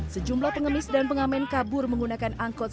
sejumlah pengemis dan pengamen kabur menggunakan angkot